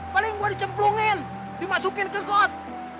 paling gue dicemplungin dimasukin ke got